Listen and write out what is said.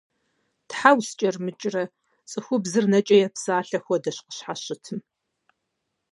Тхьэ ускӏэрымыкӏрэ? – цӏыхубзыр нэкӏэ епсалъэ хуэдэщ къыщхьэщытым.